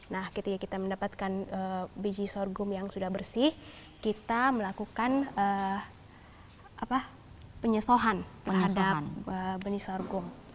nah ketika kita mendapatkan biji sorghum yang sudah bersih kita melakukan penyesohan terhadap benih sorghum